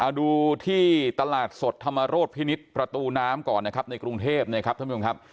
ดูที่ตลาดสดธรรมโรธพินิษฐ์ประตูน้ำก่อนนะครับในกรุงเทพนะครับท่านผู้ชมครับ